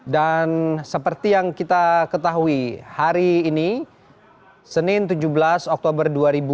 dan seperti yang kita ketahui hari ini senin tujuh belas oktober dua ribu dua puluh dua